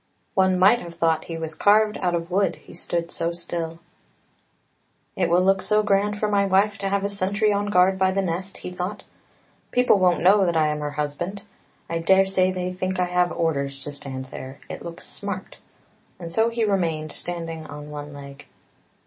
One might have thought he was carved out of wood, he stood so still !" It will look so grand for my wife to have a sentry on guard by the nest! ' he thought. " People won't know that I am her husband. I daresay they think I have orders to stand there — it looks smart! " and so he remained standing on one leg.